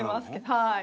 はい。